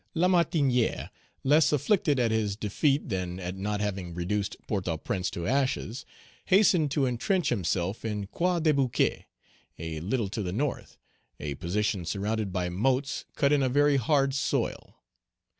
Page 168 Lamartinière, less afflicted at his defeat than at not having reduced Port au Prince into ashes, hastened to intrench himself in Croix des Bouquets, a little to the north; a position surrounded by moats cut in a very hard soil.